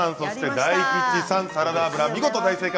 大吉さん、サラダ油見事大正解